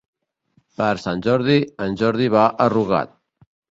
Per Sant Jordi en Jordi va a Rugat.